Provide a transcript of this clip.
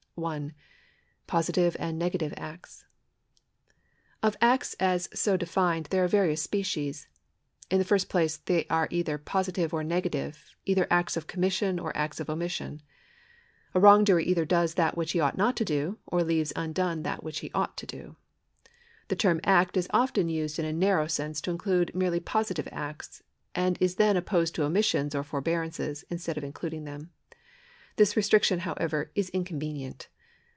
( 1 ) Positive and Negative Acts. Of acts as so defined there are various species. In the first place, they are either positive or negative, either acts of commission or acts of omission. A wrongdoer either does that which he ought not to do, or leaves undone that which he ought to do. The term act is often used in a narrow sense to include merely positive acts, and is then opposed to omissions or forbearances instead of in cluding them. This restriction, however, is inconvenient.